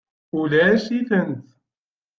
Ulac-itent.